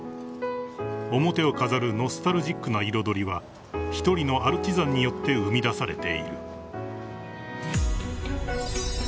［表を飾るノスタルジックな彩りは一人のアルチザンによって生み出されている］